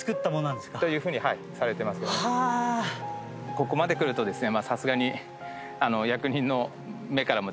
ここまで来るとですね。